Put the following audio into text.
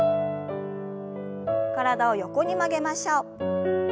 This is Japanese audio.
体を横に曲げましょう。